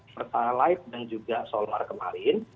pertara light dan juga soal kemarin